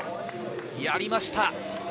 やりました。